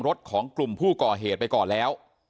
รถของกลุ่มผู้ก่อเหตุไปก่อนแล้ว